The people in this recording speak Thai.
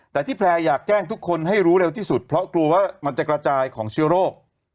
แต่ที่แพร่อยากแจ้งทุกคนให้รู้เร็วที่สุดเพราะกลัวว่ามันจะกระจายของเชื้อโรค